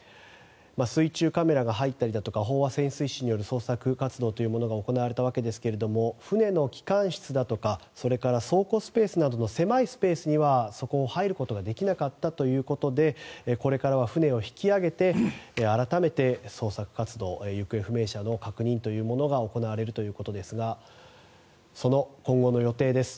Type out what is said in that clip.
水中カメラが入ったりだとか飽和潜水士による捜索活動というのが行われましたが船の機関室だとかそれから倉庫スペースなどの狭いスペースには入ることができなかったということでこれからは船を引き揚げて改めて捜索活動行方不明者の確認というものが行われるということですがその今後の予定です。